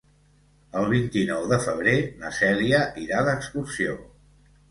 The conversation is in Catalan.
El vint-i-nou de febrer na Cèlia irà d'excursió.